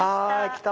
来た！